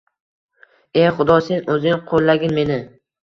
E, xudo, sen o’zing qo’llagin meni